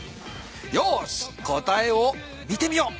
よし答えを見てみよう。